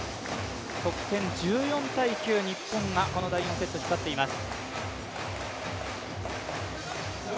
得点１４−９、日本がこの第４セット光っています。